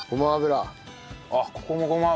あっここもごま油。